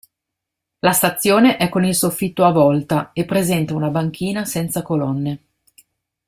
La stazione è con il soffitto a volta, e presenta una banchina senza colonne.